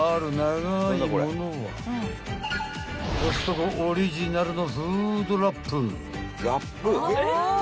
［コストコオリジナルの］